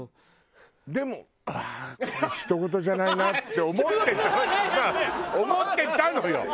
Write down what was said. でもうわあひとごとじゃないなって思ってた思ってたのよ！